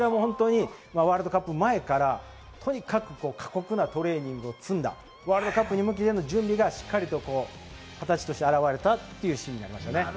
ワールドカップ前からとにかく過酷なトレーニングを積んだワールドカップに向けての準備がしっかりと形として現れたというシーンになりましたね。